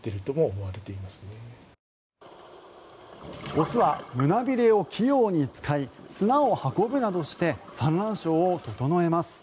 雄は胸びれを奇麗に使い砂を運ぶなどして産卵床を整えます。